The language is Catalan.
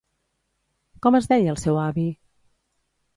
Com es deia el seu avi?